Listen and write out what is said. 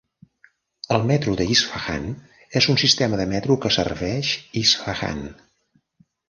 El metro d'Isfahan és un sistema de metro que serveix Isfahan.